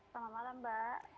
selamat malam mbak